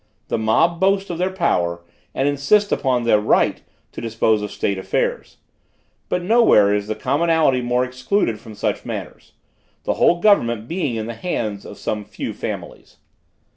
The mob boast of their power, and insist upon their right to dispose of state affairs; but no where is the commonalty more excluded from such matters; the whole government being in the hands of some few families.